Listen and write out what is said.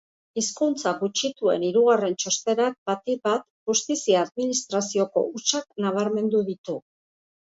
Hizkuntza gutxituen hirugarren txostenak batik bat justizia administrazioko hutsak nabarmendu ditu.